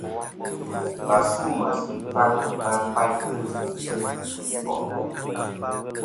Và su meysì ɨkfaŋ va faytɨ kfɨsɨ ikunikò'.